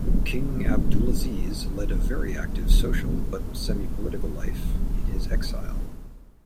King Abdulaziz led a very active social, but semi-political life in his exile.